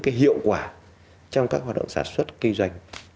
cái hiệu quả trong các hoạt động sản xuất kinh doanh